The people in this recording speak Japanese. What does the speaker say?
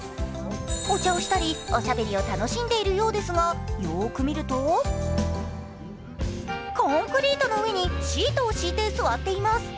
お茶をしたり、おしゃべりを楽しんでいるようですが、よーく見ると、コンクリートの上にシートを敷いて座っています。